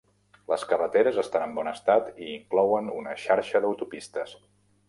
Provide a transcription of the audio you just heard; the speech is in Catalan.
Les carreteres estan en bon estat i inclouen una xarxa d'autopistes.